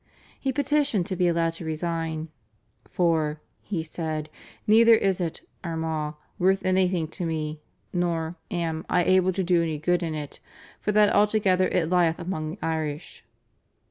He petitioned to be allowed to resign, "for," he said, "neither is it [Armagh] worth anything to me, nor [am] I able to do any good in it, for that altogether it lieth among the Irish."